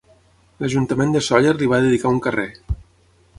L'Ajuntament de Sóller li va dedicar un carrer.